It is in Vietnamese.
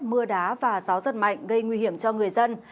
mưa đá và gió giật mạnh gây nguy hiểm cho người dân